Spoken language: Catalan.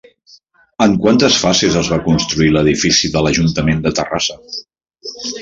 En quantes fases es va construir l'edifici de l'Ajuntament de Terrassa?